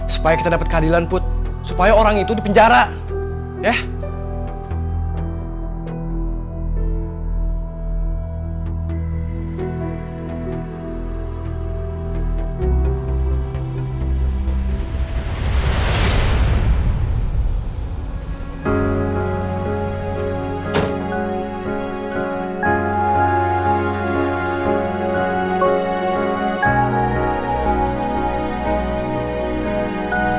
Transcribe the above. supaya kita dapat keadilan put supaya orang itu dipenjara ya